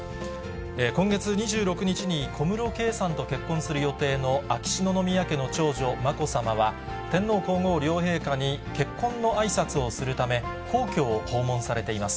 今月２６日に、小室圭さんと結婚する予定の秋篠宮家の長女、まこさまは、天皇皇后両陛下に結婚のあいさつをするため、皇居を訪問されています。